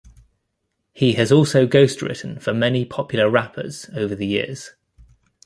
He has also ghostwritten for many popular rappers over the years.